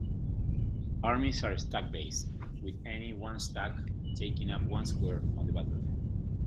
Armies are stack-based, with any one stack taking up one square on the battlefield.